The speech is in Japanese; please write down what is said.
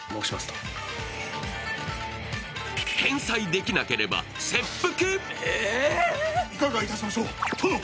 返済できなければ切腹？